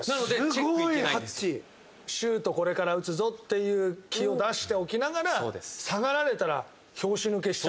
長嶋：シュート、これから打つぞっていう気を出しておきながら下がられたら拍子抜けしちゃう。